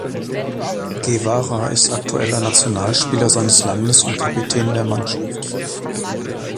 Guevara ist aktueller Nationalspieler seines Landes und Kapitän der Mannschaft.